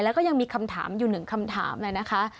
แล้วก็ยังมีคำถามอยู่หนึ่งคำถามเลยนะคะ